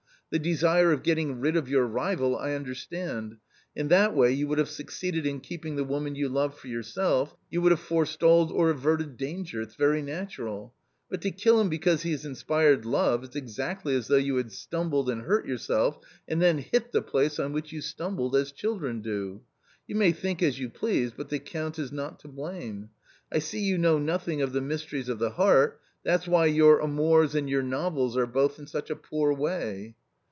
The desire of getting rid of your rival I understand; in that way you would have succeeded in keeping the woman you love for yourself, you would have forestalled or averted danger — it's very natural ! but to kill him because he has inspired love is exactly as though you stumbled and hurt yourself and then hit the place, on which you stumbled, as childen do. You may think as you please, but the Count is not to blame ! I see you know nothing of the mysteries of the heart, that's why your amours and your novels are both in such a poor way."